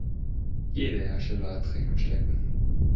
Jeder Hersteller hat Dreck am Stecken.